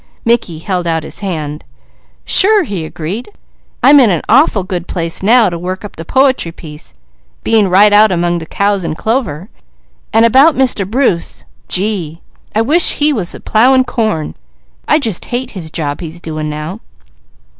Mickey held out his hand. "Sure!" he agreed. "I'm in an awful good place now to work up the poetry piece, being right out among the cows and clover. And about Mr. Bruce, gee! I wish he was plowing corn. I just hate his job he's doing now.